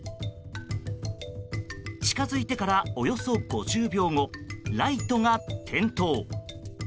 近付いてからおよそ５０秒後ライトが点灯。